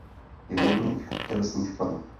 Je jemných tělesných tvarů.